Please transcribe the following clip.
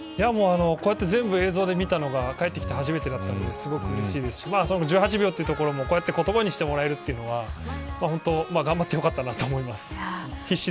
こうやって全部、映像で見たのが帰ってきて初めてだったのでうれしいですし１８秒も、こうやって言葉にしてもらえるというのは頑張ってよかったなと思います。